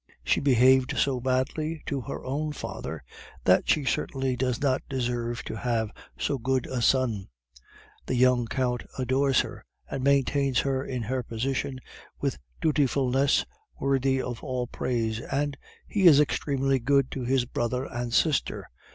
She behaved so badly to her own father, that she certainly does not deserve to have so good a son. The young Count adores her, and maintains her in her position with dutifulness worthy of all praise, and he is extremely good to his brother and sister.